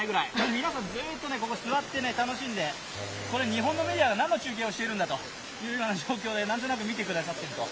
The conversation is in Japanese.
皆さんずっとここに座って楽しんで、日本のメディアが何の中継をしているんだというような状況でなんとなく見てくださっていると。